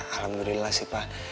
alhamdulillah sih pak